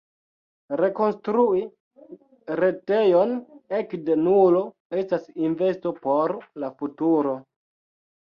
Rekonstrui retejon ekde nulo estas investo por la futuro.